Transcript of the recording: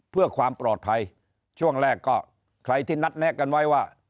เพื่อความปลอดภัยช่วงแรกก็ใครที่นัดแนะกันไว้ว่า